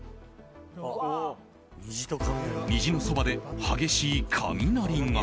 虹のそばで激しい雷が。